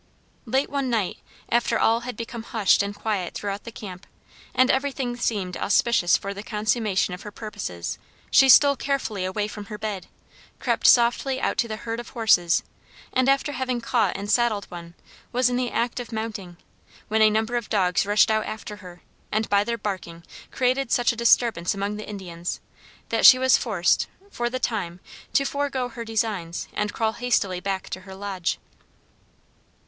Late one night, after all had become hushed and quiet throughout the camp, and every thing seemed auspicious for the consummation of her purposes, she stole carefully away from her bed, crept softly out to the herd of horses, and after having caught and saddled one, was in the act of mounting, when a number of dogs rushed out after her, and by their barking, created such a disturbance among the Indians that she was forced, for the time, to forego her designs and crawl hastily back to her lodge.